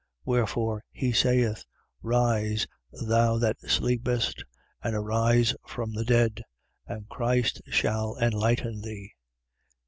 5:14. Wherefore he saith: Rise, thou that sleepest, and arise from the dead: and Christ shall enlighten thee.